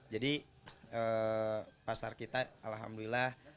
jadi pasar kita alhamdulillah